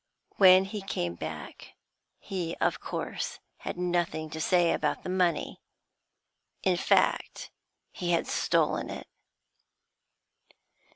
When he came back hoof course had nothing to say about the money; in fact, he had stolen it.'